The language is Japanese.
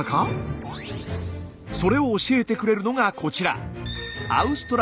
それを教えてくれるのがこちら。